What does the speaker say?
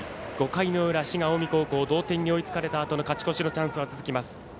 ５回の裏、滋賀、近江高校同点に追いつかれたあとの勝ち越しのチャンスは続きます。